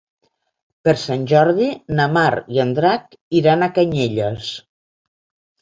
Per Sant Jordi na Mar i en Drac iran a Canyelles.